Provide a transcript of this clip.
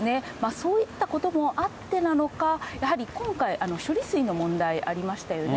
そういったこともあってなのか、やはり今回、処理水の問題ありましたよね。